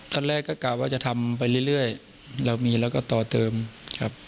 ตอนแรกก็กล่าวว่าจะทำไปเรื่อยเรามีแล้วก็ต่อเติมครับ